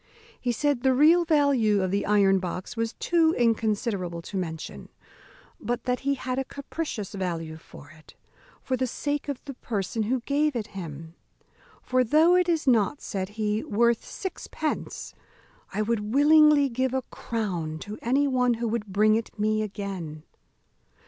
He said the real value of the iron box was too inconsiderable to mention; but that he had a capricious value for it, for the sake of the person who gave it him; "for, though it is not," said he, "worth sixpence, I would willingly give a crown to any one who would bring it me again."